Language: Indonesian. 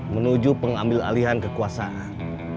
menuju pengambil alihan kekuasaan